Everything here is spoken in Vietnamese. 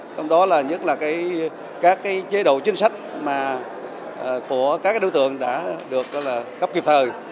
trong đó là nhất là các chế độ chính sách của các đối tượng đã được cấp kịp thời